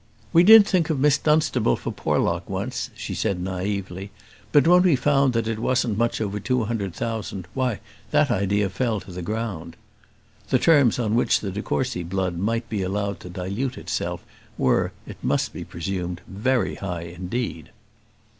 "We did think of Miss Dunstable for Porlock, once," she said, naïvely; "but when we found that it wasn't much over two hundred thousand, why, that idea fell to the ground." The terms on which the de Courcy blood might be allowed to dilute itself were, it must be presumed, very high indeed.